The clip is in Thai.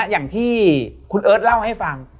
อย่างที่คุณเอิร์ทเล่าให้ฟัง